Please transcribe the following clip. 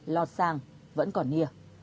lọt sàng vẫn còn nìa